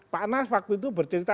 pak anas waktu itu bercerita